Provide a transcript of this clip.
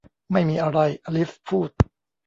ไม่มีอะไร อลิซพูด